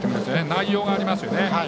内容がありますよね。